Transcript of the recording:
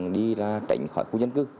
đi ra tránh khỏi khu dân cư